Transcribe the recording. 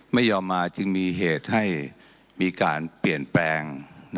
ไม่ยอมมาจึงมีเหตุให้มีการเปลี่ยนแปลง